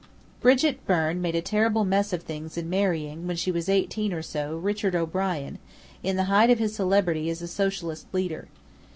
Brigit Burne made a terrible mess of things in marrying, when she was eighteen or so, Richard O'Brien, in the height of his celebrity as a socialist leader.